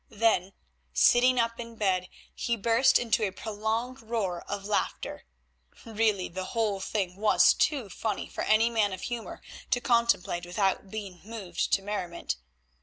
Then, sitting up in bed, he burst into a prolonged roar of laughter. Really the whole thing was too funny for any man of humour to contemplate without being moved to merriment.